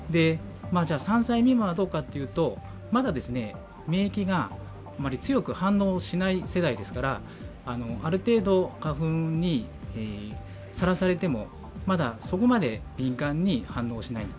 ３歳未満はどうかというとまだ免疫が強く反応せない世代ですからある程度、花粉にさらされても、まだそこまでに敏感に反応しない。